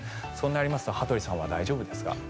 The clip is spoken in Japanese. そうなりますと羽鳥さんは大丈夫ですか？